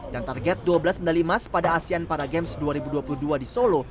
dan target dua belas medali emas pada asean para games dua ribu dua puluh dua di solo